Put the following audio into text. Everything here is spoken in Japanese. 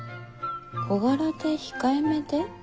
小柄で控えめで？